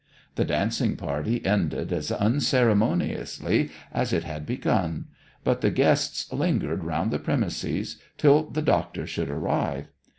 The dancing party ended as unceremoniously as it had begun; but the guests lingered round the premises till the doctor should arrive.